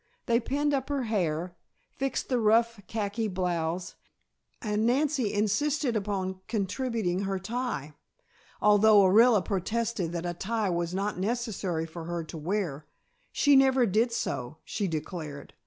They pinned up her hair, fixed the rough khaki blouse, and Nancy insisted upon contributing her tie, although Orilla protested that a tie was not necessary for her to wear, she never did so, she declared.